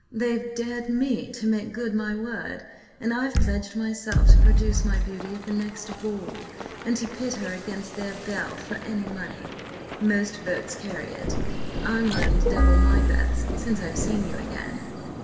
They've dared me to make good my word, and I've pledged myself to produce my beauty at the next ball, and to pit her against their belle for any money. Most votes carry it. I'm willing to double my bet since I've seen you again.